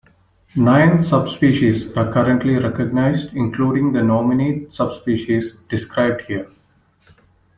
Nine subspecies are currently recognized, including the nominate subspecies described here.